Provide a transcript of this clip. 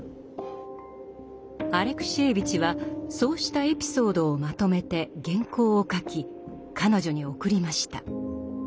アレクシエーヴィチはそうしたエピソードをまとめて原稿を書き彼女に送りました。